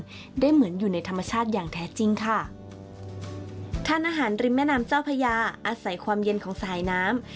ได้เหมือนอยู่ในธรรมชาติอย่างแท้จริงค่ะทานอาหารริมแม่น้ำเจ้าพญาอาศัยความเย็นของสายน้ำ